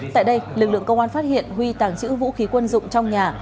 tại đây lực lượng công an phát hiện huy tàng trữ vũ khí quân dụng trong nhà